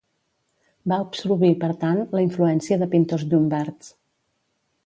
Va absorbir, per tant, la influència de pintors llombards.